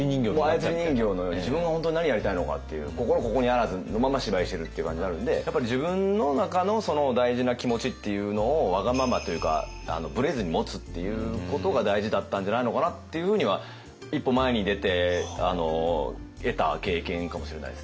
操り人形のように自分が本当に何やりたいのかっていうやっぱ自分の中のその大事な気持ちっていうのをわがままというかブレずに持つっていうことが大事だったんじゃないのかなっていうふうには一歩前に出て得た経験かもしれないですね。